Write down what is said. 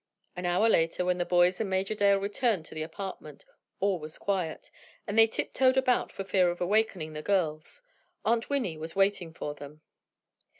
An hour later, when the boys and Major Dale returned to the apartment, all was quiet, and they tiptoed about for fear of awakening the girls. Aunt Winnie was waiting for them.